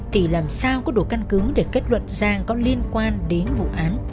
thì làm sao có đủ căn cứ để kết luận giang có liên quan đến vụ án